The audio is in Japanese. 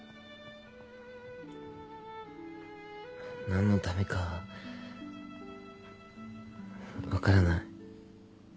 何のためかは分からない。